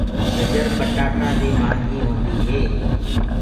گجر پٽآتآ دي مهآنگي هوندي هي۔